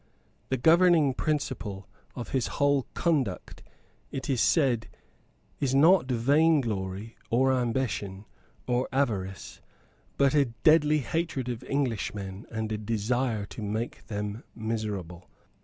The governing principle of his whole conduct, it is said, is not vainglory, or ambition, or avarice, but a deadly hatred of Englishmen and a desire to make them miserable.